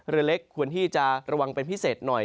เรือเล็กควรที่จะระวังเป็นพิเศษหน่อย